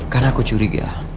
karena aku curiga